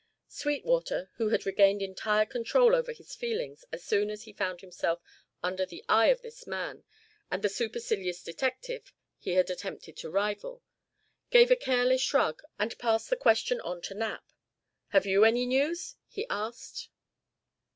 Sweetwater, who had regained entire control over his feelings as soon as he found himself under the eye of this man and the supercilious detective he had attempted to rival, gave a careless shrug and passed the question on to Knapp. "Have you any news?" he asked.